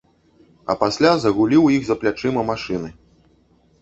А пасля загулі ў іх за плячыма машыны.